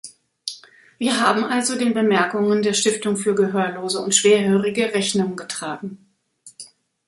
Wir haben also den Bemerkungen der Stiftung für Gehörlose und Schwerhörige Rechnung getragen.